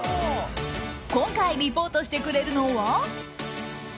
今回リポートしてくれるのは。